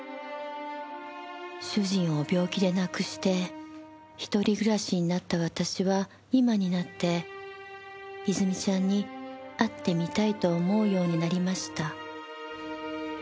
主人を病気で亡くして一人暮らしになった私は今になって泉ちゃんに会ってみたいと思うようになりました。